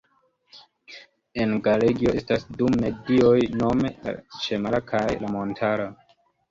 En Galegio estas du medioj nome la ĉemara kaj la montara.